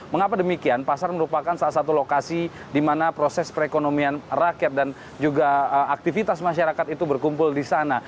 mengapa demikian pasar merupakan salah satu lokasi di mana proses perekonomian rakyat dan juga aktivitas masyarakat itu berkumpul di sana